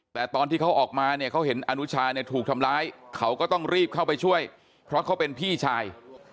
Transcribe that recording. แต่ตอนที่เขาออกมาเนี่ยเขาเห็นอนุชาเนี่ยถูกทำร้ายเขาก็ต้องรีบเข้าไปช่วยเพราะเขาเป็นพี่ชาย